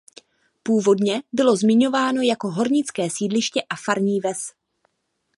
Původně bylo zmiňováno jako hornické sídliště a farní ves.